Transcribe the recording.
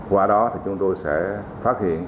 qua đó chúng tôi sẽ phát hiện